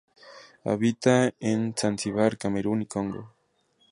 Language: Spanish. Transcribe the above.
Habita en Zanzíbar, Camerún y Congo.